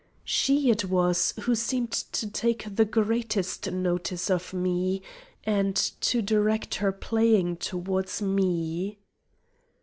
She it was who seemed to take the greatest notice of me, and to direct her playing towards me.